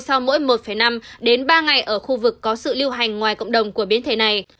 sau mỗi một năm đến ba ngày ở khu vực có sự lưu hành ngoài cộng đồng của biến thể này